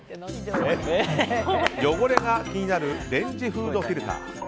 汚れが気になるレンジフードフィルター。